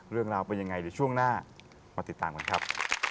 เรื่องราวเป็นยังไงเดี๋ยวช่วงหน้ามาติดตามกันครับ